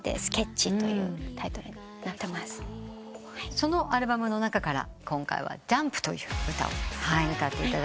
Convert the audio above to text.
そのアルバムの中から今回は『ＪＵＭＰ』という歌を歌っていただけると。